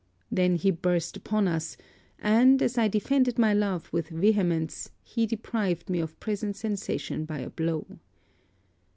Then he burst upon us; and, as I defended my love with vehemence, he deprived me of present sensation by a blow.